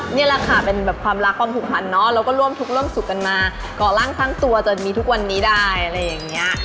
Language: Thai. นี่แหละค่ะเป็นแบบความรักความผูกพันเนาะแล้วก็ร่วมทุกข์ร่วมสุขกันมาก่อร่างสร้างตัวจนมีทุกวันนี้ได้อะไรอย่างนี้